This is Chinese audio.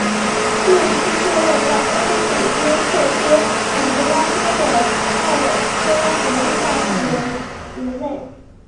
院区座落在澳洲首都特区坎培拉的澳洲国立大学校园内。